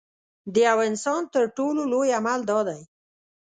د یوه انسان تر ټولو لوی عمل دا دی.